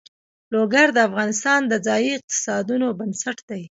لوگر د افغانستان د ځایي اقتصادونو بنسټ دی.